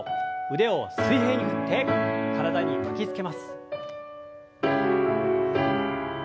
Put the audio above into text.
腕を水平に振って体に巻きつけます。